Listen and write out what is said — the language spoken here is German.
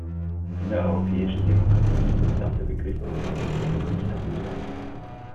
In der europäischen Demokratie darf der Begriff Protektionismus nicht tabu sein.